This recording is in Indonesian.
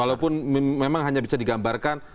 walaupun memang hanya bisa digambarkan